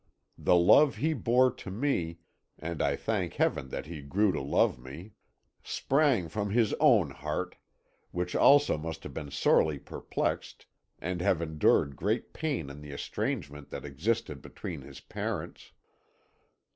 The love he bore to me and I thank Heaven that he grew to love me sprang from his own heart, which also must have been sorely perplexed and have endured great pain in the estrangement that existed between his parents.